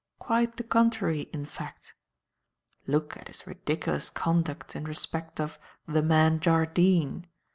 Quite the contrary, in fact. Look at his ridiculous conduct in respect of 'the man Jardine'.